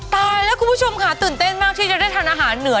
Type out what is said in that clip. ตายแล้วคุณผู้ชมค่ะตื่นเต้นมากที่จะได้ทานอาหารเหนือ